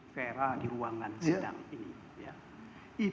fera di ruangan sedang ini